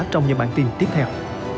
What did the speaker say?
trong những bản tin tiếp theo